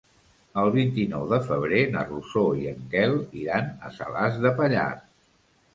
El vint-i-nou de febrer na Rosó i en Quel iran a Salàs de Pallars.